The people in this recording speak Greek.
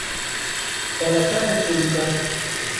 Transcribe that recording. παρακάλεσε ο Λουκάς.